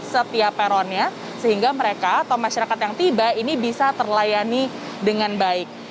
setiap peronnya sehingga mereka atau masyarakat yang tiba ini bisa terlayani dengan baik